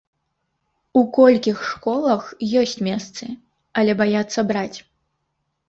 У колькіх школах ёсць месцы, але баяцца браць.